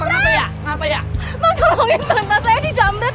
tata saya dijamret